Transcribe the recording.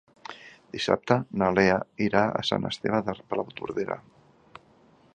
Dissabte na Lea irà a Sant Esteve de Palautordera.